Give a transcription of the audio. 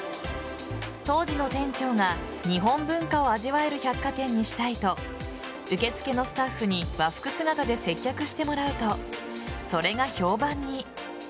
当時の店長が日本文化を味わえる百貨店にしたいと受付のスタッフに和服姿で接客してもらうとそれが評判に。